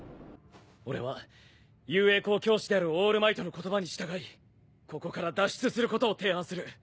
俺は雄英校教師であるオールマイトの言葉に従いここから脱出することを提案する。